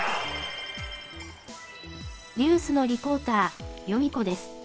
ニュースのリポーター、ヨミ子です。